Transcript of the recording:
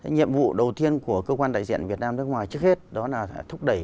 nhiệm vụ đầu tiên của cơ quan đại diện việt nam nước ngoài trước hết đó là thúc đẩy